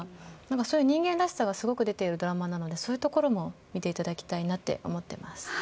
そういう人間らしさがすごく出ているドラマなのでそういうところも見ていただきたいなと思ってます。